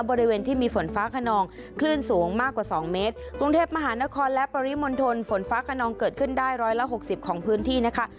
บริเวณที่มีฝนฟ้าขนองคลื่นสูงมากกว่าสองเมตรกรุงเทพมหานครและปริมณฑลฝนฟ้าขนองเกิดขึ้นได้ร้อยละหกสิบของพื้นที่นะคะ